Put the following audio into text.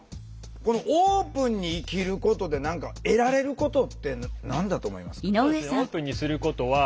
このオープンに生きることで何か得られることって何だと思いますか？